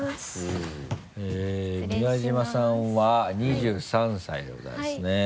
宮島さんは２３歳でございますねはい。